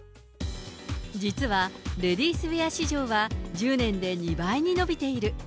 実はレディースウェア市場は１０年で２倍に伸びている。